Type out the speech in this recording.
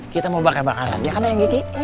kita mau bakar bakaran ya kan yang gigi